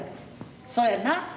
そうやな。